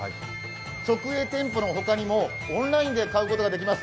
直営店舗の他にもオンラインで買うことができます。